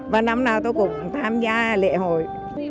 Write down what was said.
và năm nào tôi cũng tham gia lễ hội